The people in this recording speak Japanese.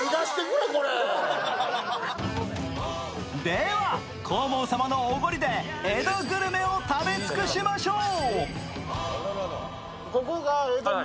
では黄門様のおごりで、江戸グルメを食べ尽くしましょう。